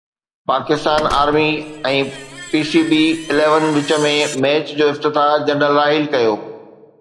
Pakistan army ۽ P C B eleven وچ ۾ match جو افتتاح جنرل راحيل ڪيو